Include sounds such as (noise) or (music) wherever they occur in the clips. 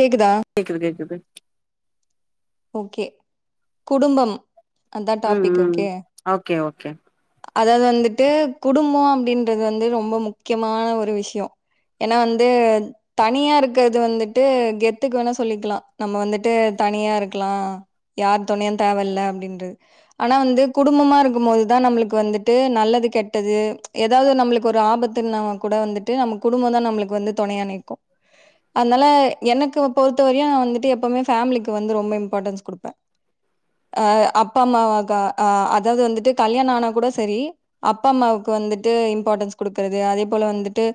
கேக்குதா கேக்குது கேக்குது. ஓகே. குடும்பம் அதான் ம் டாபிக் ம் ஓகே. ஓகே ஓகே அதாவது வந்துட்டு குடும் பம் அப்படின்றது வந்து ரொம்ப முக்கியமான ஒரு விஷயம். ஏன்னா வந்து தனியா இருக்கிறது வந்துட்டு கெத்துக்கு வேணா சொல்லிக்கலாம் நம்ப வந்துட்டு தனியா இருக்லா யார் துணையும் தேவை இல்ல அப்டின்றது. ஆனா வந்து குடும்பமா இருக்கும் போதுதான் நம்மளுக்கு வந்துட்டு நல்லது கெட்டது ஏதாவது நம்மளுக்கு ஒரு ஆபத்துனா கூட வந்துட்டு நம்ம குடும்பம் தான் நம்மளுக்கு வந்து துணையா நிக்கும். அதனால எனக்கு பொறுத்த வரையும் வந்துட்டு எப்பவுமே ஃபேமிலிக்கு வந்து ரொம்ப இம் பார்ட்டன்ஸ் குடுப்பேன். அஹ் அப்பா அம்மா அஹ அதாவது வந்துட்டு கல்யாணம் ஆனா கூட சரி அப்பா அம்மாவுக்கு வந்துட்டு இம்பார்ட்டன்ஸ் கொடுக்கறது அதே போல வந்துட்டு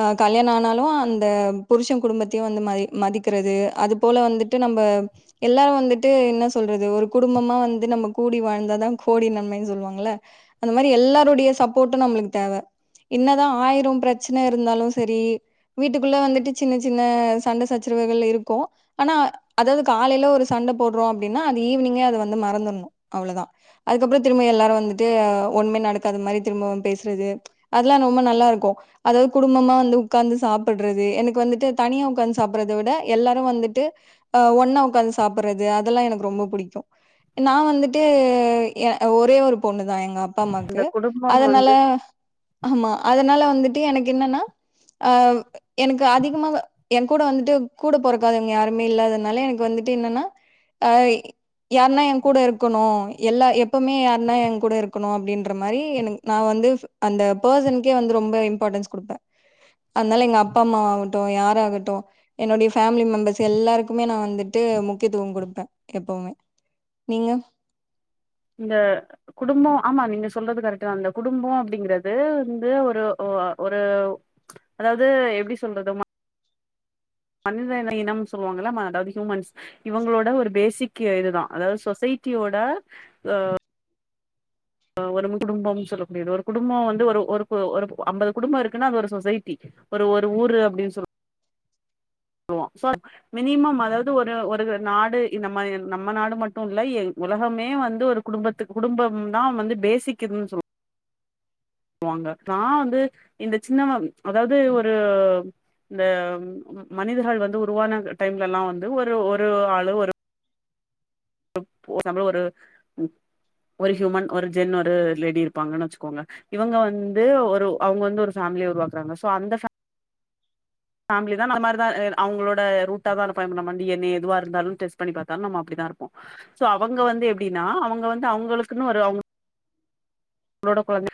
அஹ் கல்யாண ஆனாலும் அந்த புருஷன் குடும்பத்தையும் வந்து மதி மதிக்கிறது அது போல வந்துட்டு நம்ம எல்லாரும் வந் துட்டு என்ன சொல்றது ஒரு குடும்பமா வந்து நம்ம கூடி வாழ்ந்தாதான் கோடி நன்மைன்னு சொல்லுவாங்கல அந்த மாதிரி எல்லாரருடைய சப்போட்டும் நம்பலுக்கு தேவை என்னதான் ஆயிரம் பிரச்சன இருந்தாலும் சரி வீட்டுக்குள்ள வந்துட்டு சின்ன சின்ன சண்டை சச்சரவுகள் இருக்கும் ஆனா அதாவது காலையில ஒரு சண்டை போட்றோ அப்டினா அது ஈவினிங்கே அதை வந்து மறந்துடணும் அவ்வளவுதான் அதுக்கப்பறம் திரும்ப எல்லாரும் வந்து ஒண்ணுமே நடக்காத மாதிரி திரும்பவு பேசுறது அதெல்லாம் ரொம்ப நல்லா இருக்கும் அதாவது குடும்பமா வந்து உட்காந்து சாப்பிடுறது எனக்கு வந்துட்டு தனியா உட்காந்து சாப்படுறதை விட எல்லாரும் வந்துட்டு ஒன்னா அ உட்காந்து சாப்பிடறது அதெல்லாம் எனக்கு ரொம்ப பிடிக்கும் நான் வந்துட்டு ஒரே எ ஒரு பொண்ணு தான் எங்க அப்பா அம்மாக்கு. இந்த குடும்பம் அதனால. வந்து ஆமா அதனால வந்துட்டு எனக்கு என்னன்னா அஹ் எனக்கு அதிகமா என கூட வந்துட்டு கூட போறக்காதவங்க யாருமே இல்லாதனால எனக்கு வந்து ட்டு என்னனா. அ யாருன்னா என் கூட இருக்கணு எல்லா எப்பமே யாருன்னா கூட இருக்குணு அப்படின்ற மாரி நா வந்து அந்த பெர்சன்கே வந்து ரொம்ப இம்பார்டன்ஸ் குடுப்பேன். அதனால எங்க அப்பா அம்மாாவாகட்டும் யாராகட்டும் என்னுடைய ஃபேமிலி மெம்பர்ஸ் எல்லாருக்குமே நான் வந்து ட்டு முக்கியத்துவம் கொடுப்பேன் எப்பவுமே. நீங்க இந்த குடும்போ ஆமா நீங்க சொல்றது கரெக்ட தான் இந்த குடும்போ அப்படிங்கறது வந்து ஒரு. ஒரு அதாவது எப்படி சொல்றது மனிதன இனம் சொல்லுவாங்கல்ல அதாவது ஹூமன்ஸ் இவங்களோட ஒரு பேசிக் கே இதுதான் அதாவது சொசைட்டியோட அஹ் ஹ் ஒரு குடும்பம்னு சொல்ல முடியாது ஒரு குடும்பம் வந்து ஒரு ஒரு ஒரு அம்பது குடும்பம் இருக்குன்னா அது ஒரு சொசைட்டி ஒரு ஒரு ஊரு அப்படின்னு சொ ல்வோம் சோ மினிமம் அதாவது ஒரு ஒரு நாடு இந்த மாரி நம்ம நாடு மட்டும் இல்லை உலகமே வந்து ஒரு குடும்பத்துக் குடும்பம் தான் வந்து பேசிக்குது சொல்லுவாங்க நா வந்து இந்த சின்ன அதாவது ஒரு இந்த மனிதர்கள் வந்து உருவான டைம்லலா வந்து ஒரு ஒரு ஆளு ஒரு ஒரு (unintelligible) ஒரு ஹியூமன் ஒரு ஜென் ஒரு லேடி இருப்பாங்கன்னு வச்சுக்கோங்க இவங்க வந்து ஒரு அவங்க வந்து ஒரு ஃபேமிலியை உருவாக்குறாங்க சோ அந்த ஃபேமிலி தான் அந்த மாதிரிதான் அவங்களோட ரூட்டா தான் இருப்போம் நம்ம டி என் ஏ எதுவா இருந்தாலும் டெஸ்ட் பண்ணி பார்த்தாலும் நம்ம அப்படிதான் இருப்போம் சோ அவங்க வந்து எப்படின்னா அவங்க வந்து அவங்களுக்குன்னு ஒரு அவங்க ளோட குழந்தை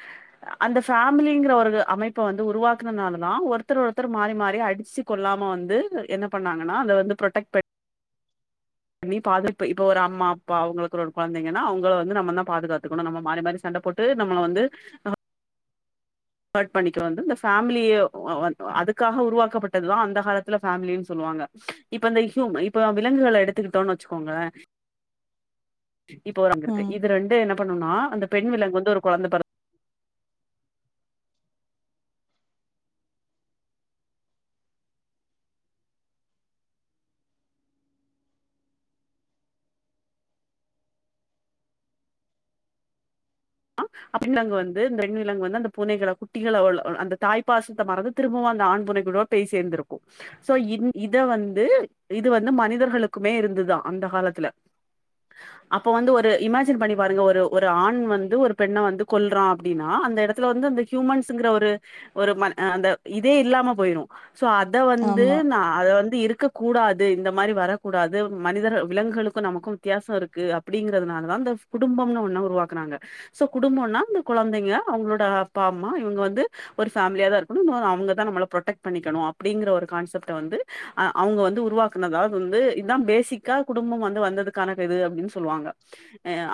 அந்த ஃபேமிலிங்கற ஒரு அமைப்ப வந்து உருவாக்குனதுனாலதான் ஒருத்தர் ஒருத்தர் மாறி மாறி அடிச்சு கொல்லாம வந்து என்ன பண்ணாங்கன்னா அதை வந்து ப்ரொடெக்ட் பண்ணி பாது இப்ப இப்ப ஒரு அம்மா அப்பா அவங்களுக்கு ஒரு குழந்தைங்கன்னா அவங்கள வந்து நம்ம தான் பாதுகாத்துக்கணும் நம்ம மாறி மாறி சண்ட போட்டு நம்மள வந்து ஹர்ட் பண்ணிக்க வந்து இந்த ஃபேம்லியு வ வந்து அதுக்காக உருவாக்கப்பட்டதுதான் அந்த காலத்துல ஃபேமிலின்னு சொல்லுவாங்க இப்ப இந்த ஹூயூம் இப்பம் விலங்குகள எடுத்துக்கிட்டோன்னு வச்சுக்கோங்களேன் இப்போ ஒரு அங்க இருக்க ம் இது ரெண்டு என்ன பண்ணும்னா அந்தப் பெண் விலங்கு வந்து ஒரு குழந்தை பெறந் அப்டிங்கறப்ப வந்து இந்த பெண் விலங்கு வந்து அந்த பூனைகள குட்டிகள உள் உள் அந்த தாய்பாசத்தை மறந்து திரும்பவும் அந்த ஆண் பூனைகளோட பேய் சேர்ந்துருக்கும் சோ இத் இத வந்து இது வந்து மனிதர்களுக்குமே இருந்துதாம் அந்த காலத்துல அப்ப வந்து ஒரு இமேஜின் பண்ணி பாருங்க ஒரு ஒரு ஆண் வந்து ஒருப் பெண்ண வந்து கொல்றான் அப்டின்னா அந்த இடத்துல வந்து அந்த ஹியூமன்ஸ்ங்கிற ஒரு ஒரு மனி இது அந்த இதே இல்லாம போயிரும் சோ அத வந்து ஆமா நா அத வந்து இரு க்க கூடாது இந்த மாரி வரக்கூடாது மனிதர்கள் விலங்குகளுக்கும் நமக்கும் வித்தியாசம் இருக்கு அப்டிங்கறதுனாலதான் இந்த குடும்பம்னு ஒன்னா உருவாக்குனாங்க சோ குடும்பம்னா இந்த குழந்தைங்க அவங்களோட அப்பா அம்மா இவங்க வந்து ஒரு ஃபேமிலியா தான் இருக்கணும் இன்னொன்னு அவங்கதான் நம்மளை ப்ரொட்டெக்ட் பண்ணிக்கணும் அப்டிங்கிற ஒரு கான்செப்டை வந்து அவங்க வந்து உருவாக்குனதா வது வந்து இதுதான் பேசிக்கா குடும்பம் வந்து வந்ததுக்கான இது அப்டின்னு சொல்லுவாங்க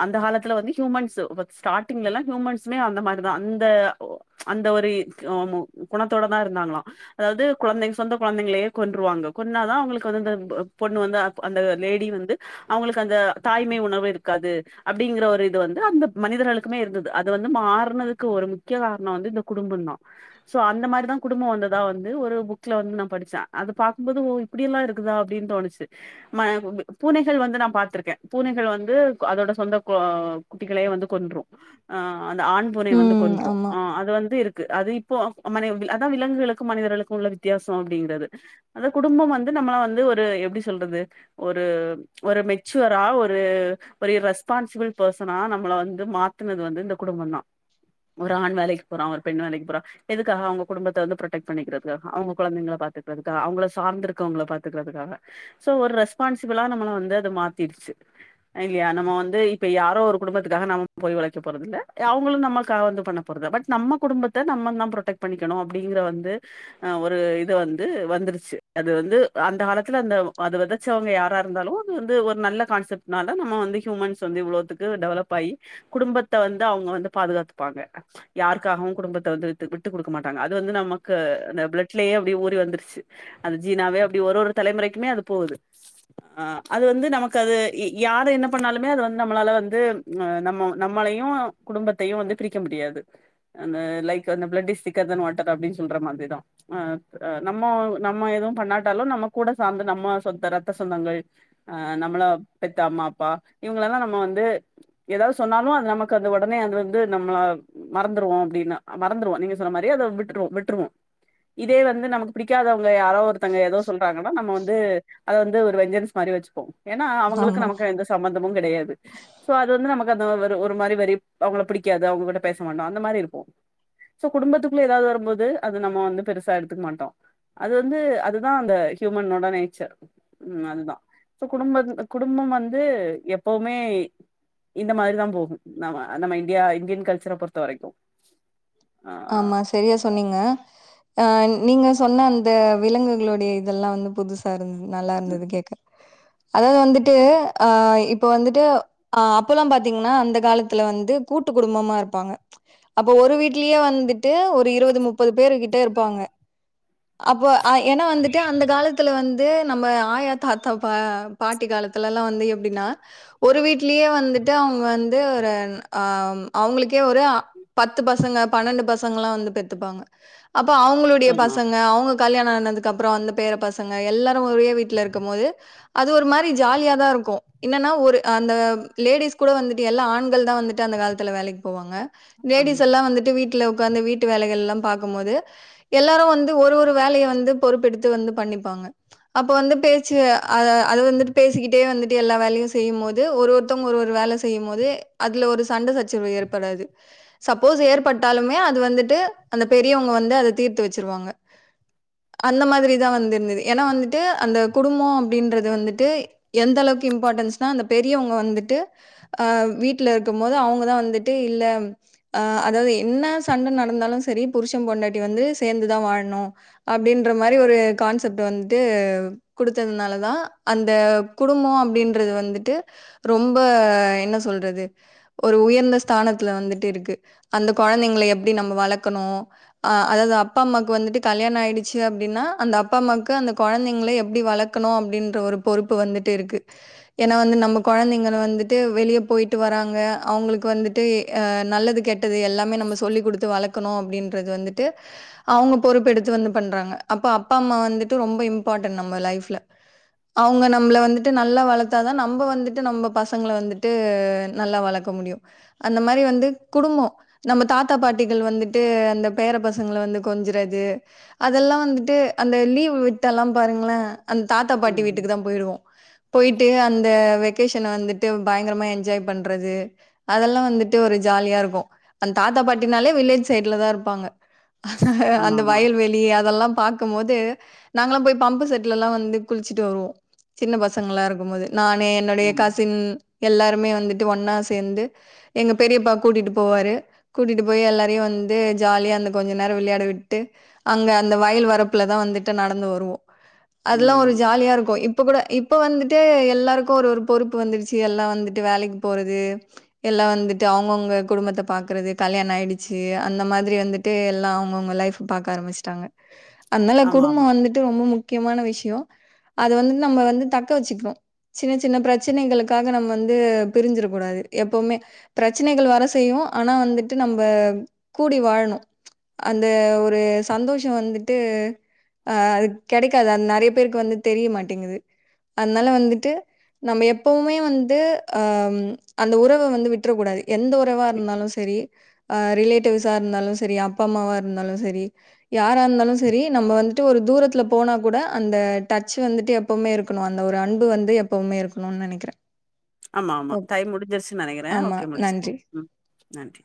அந்த காலத்து வந்து ஹூயூமன்ஸு ஸ்டாட்டிங்க்ல ல்லாம் ஹியூமன்சுமே அந்த மாரிதான் இந்த அந்த ஒரு உ குணத்தோட தான் இருந்தாங்களாம் அதாவது குழந்தைங் சொந்த குழந்தைங்களையே கொன்றுவாங்க கொன்னாதான் அவங்களுக்கு வந்து அந்த பொண்ணு வந்து அந்த லேடி வந்து அவங்களுக்கு அந்த தாய்மை உணர்வு இருக்காது அப்டிங்கற ஒரு இது வந்து அந்த மனிதர்களுக்குமே இருந்துது அது வந்து மாறுனதுக்கு ஒரு முக்கிய காரணம் வந்து இந்த குடும்பம் தான் சோ அந்த மாதிரிதான் குடும்பம் வந்ததா வந்து ஒரு புக்ஸ்ல வந்து நான் படிச்சேன் அது பாக்கும்போது ஓஹ் இப்டியெல்லாம் இருக்குதா அப்டின்னு தோணுச்சி ம பூனைகள் வந்து நான் பாத்திருக்கேன் பூனைகள் வந்து அதோட சொந்த அ குட்டிகளையே வந்து கொண்ரும் ஆஹ் அந்த ஆண் பூனை வந்து ம் கொன்ரும் ஆமா ஆஹ் அது வந்து இரு க்கு அது இப்போ அ மனி வில் அதான் விலங்குகளுக்கும் மனிதர்களுக்கும் உள்ள வித்தியாசம் அப்டிங்கிறது அந்த குடும்பம் வந்து நம்மள வந்து ஒரு எப்டி சொல்றது ஒரு ஒரு மெச்சுவரா ஒரு ஒரு ரெஸ் பான்சிபிள் பெர்சனா நம்மள வந் து மாத்துனது வந்து இந்த குடும்பம் தான் ஒரு ஆண் வேலைக்கு போறான் ஒரு பெண் வேலைக்கு போறா எதுக்காக அவங்க குடும்பத்த வந்து ப்ரொடெக்ட் பன்னிக்குறதுக்காக தான் அவங்க கொழந்தைங்கள பாத்துக்குறதுக்காக அவங்க சார்ந்திருக்குறவங்கள பாத்துக்கிறதுக்காக சோ ஒரு ரெஸ்பான்சிபிளா நம்மல வந்து அது மாத்திடுச்சி இல்லியா நம்ம வந்து இப்ப யாரோ ஒரு குடும்பத்துக்காக நம போய் ஒழைக்க போறது இல்ல அவங்களும் நம்மளுக்காக வந்து பண்ண போறது இல்ல பட் நம்ம குடும்பத்த நம்ம தான் ப்ரொடெக்ட் பண்ணிக்கணும் அப்படிங்கற வந்து அஹ் ஒரு இது வந்து வந்துருச்சு அது வந்து அந்த காலத்துல அந்த அது விதச்சவங்க யாரா இருந்தாலும் அது வந்து ஒரு நல்ல கான்செப்ட்னால நம்ம வந்து ஹியூமன்ஸ் வந்து இவ்ளோத்துக்கு டெவலப் ஆயி குடும்பத்த வந்து அவங்க வந்து பாதுகாத்துப்பாங்க யாருக்காகவும் குடும்பத்த வந்து வித்து விட்டு குடுக்க மாட்டாங்க அது வந்து நமக்கு அந்த பிளட்லயே அப்டியே ஊறி வந்துருச்சு அந்த ஜீனாவே அப்டி ஒரு ஒரு தலைமுறைக்குமே அது போகுது அஹ் அது வந்து நமக்கு அது யாரு என்ன பண்ணாலுமே அது வந்து நம்மளால வந்து ஹ்ம் நம் நம்மளையு குடும்பத்தையு வந்து பிரிக்க முடியாது லைக் அந்த பிளட் இஸ் திக்கர் தன் வாட்டர் அப்டின்னு சொல்ற மாதிரி தான் அஹ் அஹ் நம்ம எதுவு பண்ணாட்டாலு நம்ம கூட சார்ந்த நம்ம சொத்த ரத்த சொந்தங்கள் நம்மள பெத்த அம்மா அப்பா இவங்களல்லா நம்ம வந்து ஏதாவ்து சொ சொன்னாலும் அது நமக்குந்த ஒடனே அது வந்து நம்மள மறந்துருவோம் அப்டின்னு மறந்துருவோம் நீங்க சொன்ன மாரி அத விட்டுருவோ விட்டுருவோ இதே வந்து நமக்கு பிடிக்காதவங் வங்க யாரோ ஒருத்தங்க ஏதோ சொல்றாங்கன்னா நம்ம வந்து அத வந்து ஒரு வெஞ்சன்ஸ் மாரி வச்சிப்போம் ஏன்னா அவங்களுக்கும் ஆமா நமக்கும் எந்த சம்பந்தமும் கெடையாது சோ அது வந்து நமக் கு வந்து ஒரு ஒருமாரி வரிப் அவுங்க பிடிக்காது அவங்ககிட்ட பேச மாட்டோம் அந்த மாரி இருப்போம் சோ குடும்பத்துக்குள்ள ஏதாவது வரும்போது அது நம்ம வந்து பெருசா எடுத்துக்க மாட்டோம் அது வந்து அதுதான் அந்த ஹூயூமனோட நேச்சர் உம் அதுதான் இப்போ குடும்ப குடும்பம் வந்து எப்பவுமே இந்த மாதிரிதான் போகும் நம் நம்ம இண்டியா இண்டியன் கல்ச்சரை பொறுத்த வரைக்கு ஆ ஆமா செரியா சொன்னீங்க அஹ் நீங்க சொன்ன அந்த விலங்குகளுடைய இதெல்லா வந்து புதுசா இருக் துது நல்லா இருந்துது கேக்க அதாவது வந்துட்டு அஹ் இப்ப வந்துட்டு ஆஹ் அப்போல்லா பாத்தீங்கன்னா அந்த காலத்துல வந்து கூட்டு குடும்பமா இருப்பாங்க அப்ப ஒரு வீட் கீழியே வந்துட்டு ஒரு இருவது முப்பது பேரு கிட்ட இருப்பாங்க அப்ப ஏன்னா வந்துட்டு அந்த காலத்துல வந்து ந்து நம்ம ஆயா தாத்தா பா பாட்டி காலத்துலல்லா வந்து எப்டின்னா ஒரு வீட்லயே வந்துட்டு அவங்க வந்து ஒரு ஆஹ் அவங்களுக்கே ஒரு ஆஹ் பத்து பசங்க பன்னெண்டு பசங்கல்லா வந்து பெத்துப்பாங்க அப்ப அவுங்களுடைய ஆமா பசங் ங்க அவுங்க கல்யாணத் துக்கப்புறம் அந்த பேர பசங்க எல்லாரும் ஒரே வீட்டுல இருக்கும்போது அது ஒரு மாரி ஜாலியா தான் இருக்கு என்னன்னா ஒரு அந்த லேடிஸ் கூட வந்துட்டு எல்லா ஆண்கள் தான் வந்துட்டு அந்த காலத்துல வேலைக்கு போவாங்க லேடிஸ் ஆமா எல்லா வந்துட்டு வீட்டுல உக் காந்து வீட்டு வேலைகள்லா பாக்கும்போது எல்லாரு வந் து ஒரு ஒரு வேலைய வந்து பொறுப்பெடுத்து வந்து பண்ணிப்பாங்க அப்போ வந்து பேச்சி அது அதுவந்துட்டு பேசிக்கிட்டே வந்துட்டு எல்லா வேலையு செய்யு போது ஒருவொருத்தவங்க ஒரு ஒரு வேலை செய்யு போது அதுல ஒரு சண்டை சச்சரவு ஏற்படாது சப்போஸ் ஏற்பட்டாலுமே அது வந்துட்டு அந்த பெரியவங்க வந்து அதை தீர்த்து வெச்சிருவாங்க அந்த மாதிரிதான் வந்திருந்தது ஏன்னா வந்துட்டு அந்த குடும்ப அப்படின்றது வந்துட்டு எந்த அளவுக்கு இம்பார்டன்ஸ்னா அந்த பெரியவங்க வந்துட்டு அஹ் வீட்டுல இருக்கு போது அவங்கதான் வந்துட்டு இல்ல அதாவது என்ன சண்டை நடந்தாலு சரி புருஷன் பொண்டாட்டி வந்து சேர்ந்துதான் வாழனு அப்படின்ற மாதிரி ஒரு கான்செப்ட் வந்துட்டு குடுத்ததுனாலதான் அந்த குடும்பம் அப்படின்றது வந்துட்டு ரொம்ப என்ன சொல்றது ஒரு உயர்ந்த ஸ்தானத்துல வந்துட்டு இருக்கு அந்த குழந்தைங்க எப்படி நம்ம வளர்க்கணு அஹ அதாவது அப்பா அம்மாக்கு வந்துட்டு கல்யாணம் ஆயிடுச்சு அப்படின்னா அந்த அப்பா அம்மாவுக்கு அந்த குழந்தைங்க எப்படி வளர்க்கணு அப்படின்ற ஒரு பொறுப்பு வந்துட்டு இருக்கு ஏன்னா வந்து நம்ம குழந்தைங்க வந்துட்டு வெளியே போயிட்டு வராங்க அவங்களுக்கு வந்துட்டு நல்லது கெட்டது எல்லாமே நம்ம சொல்லிகொடுத்து வளர்க்கணு அப்படின்றது வந்துட்டு அவங்க பொறுப்பெடுத்து வந்து பண்றாங்க அப்போ அப்பா அம்மா வந்துட்டு ரொம்ப இம்பார்டன்ட் நம்ம லைப்ல அவங்க நம்மளை வந்துட்டு நல்லா வளர்த்தாதான் நம்ம வந்துட்டு நம்ம பசங்களை வந்துட்டு நல்லா வளர்க்க முடியும் அந்த மாதிரி வந்து குடும்பம் நம்ம தாத்தா பாட்டிகள் வந்துட்டு அந்த பேர பசங்களை வந்து கொஞ்சுறது து அதெல்லாம் வந்துட்டு அந்த லீவ் விட்டால்லா பாருங்கள அந்த தாத்தா பாட்டி ம் வீட்டுக்கு தான் போயிடுவோம் போயிட்டு அந்த வெகேஷனை வந்துட்டு பயங்கரமா என்ஜாய் பண்றது அதெல்லா வந்துட்டு ஒரு ஜாலியா இருக்கு அந்த தாத்தா பாட்டினாலே வில்லேஜ் சைட்ல தான் இருப்பாங்க ஆமா அந்த ஆமா வெளிய அதெல்லா பாக்கு போது நாங்களா போய் பம்பு செட்லல்லா வந்து குளிச்சுட்டு வருவோ சின்ன பசங்களா இருக்கு போது நானு என்னுடைய ஆமா கஃசின் எல்லாருமே வந்துட்டு ஒன்னா சேர்ந்து எங்க பெரியப்பா கூட்டிட்டு போவாரு கூட்டிட்டு போய் எல்லாரையு வந்து ஜாலியாக அந்த கொஞ்ச நேரம் விளையாட விட் விட்டு அங்க அந்த வயல் வரப்புல தான் வந்துட்டு நடந்து வருவோம் அதெல்லா ஒரு ம் ஜாலியா இருக்கு இப் இப்போ கூட இப்போ வந்துட்டு எல்லாருக்கும் ஒரு ஒரு பொறுப்பு வந்துருச்சு எல்லாம் வந்துட்டு வேலைக்கு போறது எல்லாம் வந்துட்டு அவுங்கவுங்க குடும்பத்த பாக்குறது கல்யாணம் ஆயிடுச்சு அந்த மாதிரி வந்துட்டு எல்லாம் அவுங்கவுங்க லைஃப் பாக்க ஆரம்பிச்சுட்டாங்க அதனால ஆமா ஆமா குடும்பம் வந்துட்டு ரொம்ப முக்கியமான விஷ்யோம் அது வந்துட்டு நம்ம வந்து தக்க வச்சுக்கணு சின்ன சின்ன பிரச்சனைகளுக்காக நம்ம வந்து பிரிஞ்சிடக்க கூடாது எப்பவுமே பிரச்சனைகள் வர செய்யும் ஆனா வந்துட்டு நம்ப கூடி வாழணும் அந்த ஒரு சந்தோஷோ வந்துட்டு ஆ அது கெடைக்காது அது நெறைய பேருக்கு வந்து தெரிய மாட்டேங்குது அதனால வந்துட்டு நம்ம எப்பவுமே வந்து ஆ அந்த உறவ வந்து விட்றக்கூடாது எந்த உறவா இருந்தாலும் செரி ஆ ரிலேட்டிவ்ஸா இருந்தாலும் செரி அப்பா அம்மாவா இருந்தாலும் செரி யாரா இருந்தாலும் செரி நம்ம வந்துட்டு ஒரு தூரத்துல போனா கூட அந்த டச் வந்துட்டு எப்பவுமே இருக்கணு அந்த ஒரு அன்பு வந்து எப்பவுமே இருக்கணுன்னு நனைக்கிறே ஆமா ஆமா டைம் முடிஞ்சிருச்சு நனைக்கிறேன் ஆமா. ஓகே நன்றி. முடிச்சுக்கலாம் ம் நன்றி